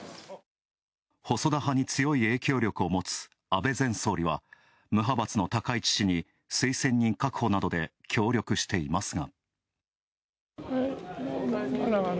細田派に強い影響力を持つ安倍前総理は無派閥の高市氏に推薦人確保などで協力していますが。